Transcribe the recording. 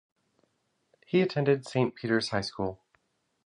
He attended Saint Peter's High School.